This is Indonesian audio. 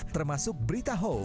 termasuk berita hoax